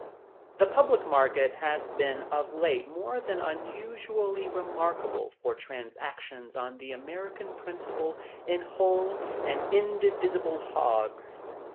THE public market has been of late more than usually remarkable for transactions on the American principle in Whole and indi visible Hogs.